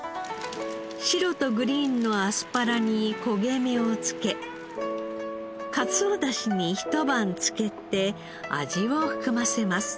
白とグリーンのアスパラに焦げ目を付けカツオだしにひと晩漬けて味を含ませます。